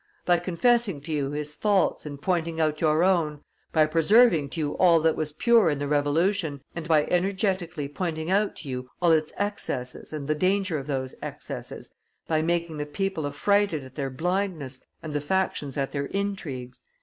By confessing to you his faults and pointing out your own, by preserving to you all that was pure in the Revolution and by energetically pointing out to you all its excesses and the danger of those excesses, by making the people affrighted at their blindness and the factions at their intrigues.